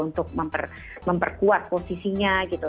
untuk memperkuat posisinya gitu